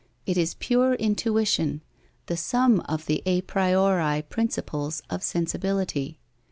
It is pure intuition, the sum of the a priori principles of sensibility.